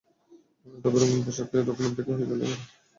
তবে রঙিন পোশাকে দক্ষিণ আফ্রিকার হয়ে খেলে যেতে চেয়েছিলেন আরও কিছু দিন।